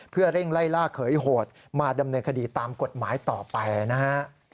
เพื่อเร่งไล่ล่าเขยโหดมาดำเนินคดีตามกฎหมายต่อไปนะฮะ